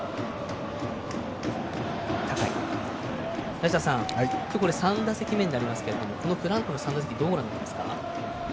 梨田さん３打席目になりますけどフランコの３打席目どうご覧になりますか。